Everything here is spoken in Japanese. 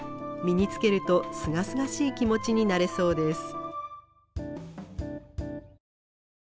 身につけるとすがすがしい気持ちになれそうです。